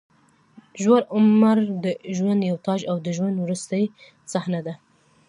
زوړ عمر د ژوند یو تاج او د ژوند وروستۍ صحنه ده.